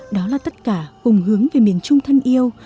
đó là tất cả cùng hướng về miền trung thân yêu